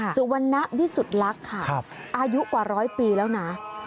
สุวรรณวิสุทธิลักษณ์ค่ะอายุกว่าร้อยปีแล้วนะ